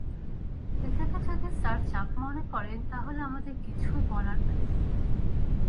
এটাকে যদি স্যার চাপ মনে করেন, তাহলে আমাদের কিছু বলার নেই।